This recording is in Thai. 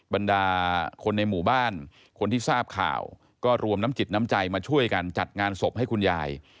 บรรดาคนในหมู่บ้านคนที่ทราบข่าวก็รวมน้ำจิตน้ำใจมาช่วยกันจัดงานศพให้คุณยาย